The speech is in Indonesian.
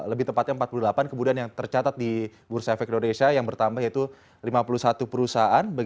lebih tepatnya empat puluh delapan kemudian yang tercatat di bursa efek indonesia yang bertambah yaitu lima puluh satu perusahaan